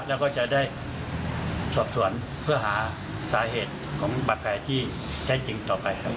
แล้วก็จะได้สอบสวนเพื่อหาสาเหตุของบาดแผลที่แท้จริงต่อไปครับ